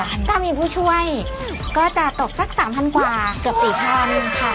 ถ้ามีผู้ช่วยก็จะตกสักสามพันกว่าเกือบสี่พันค่ะ